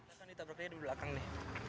kita tabraknya di belakang nih